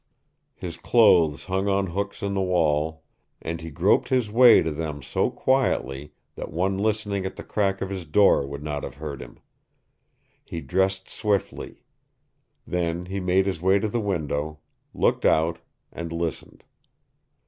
His clothes hung on hooks in the wall, and he groped his way to them so quietly that one listening at the crack of his door would not have heard him. He dressed swiftly. Then he made his way to the window, looked out, and listened.